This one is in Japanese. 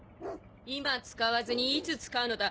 今使わずにいつ使うのだ。